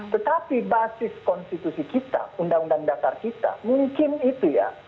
tetapi basis konstitusi kita undang undang dasar kita mungkin itu ya